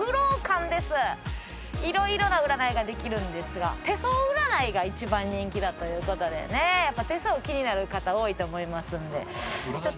色々な占いができるんですが手相占いが一番人気だという事でねやっぱ手相気になる方多いと思いますんで。